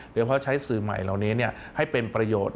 โดยเพราะใช้สื่อใหม่เหล่านี้ให้เป็นประโยชน์